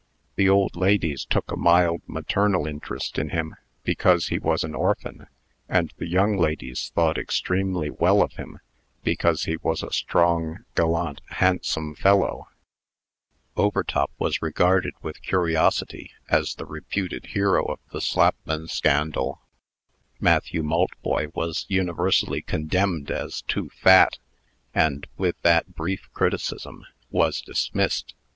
The old ladies took a mild maternal interest in him, because he was an orphan; and the young ladies thought extremely well of him, because he was a strong, gallant, handsome fellow. Overtop was regarded with curiosity, as the reputed hero of the Slapman scandal. Matthew Maltboy was universally condemned as too fat, and, with that brief criticism, was dismissed.